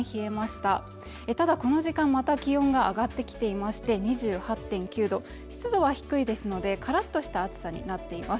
ただこの時間また気温が上がってきていまして２８．９度湿度は低いですのでからっとした暑さになっています